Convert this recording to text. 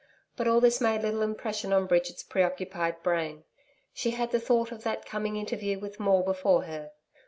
But all this made little impression on Bridget's preoccupied brain. She had the thought of that coming interview with Maule before her.